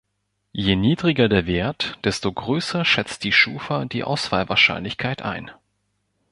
Je niedriger der Wert, desto größer schätzt die Schufa die Ausfallwahrscheinlichkeit ein.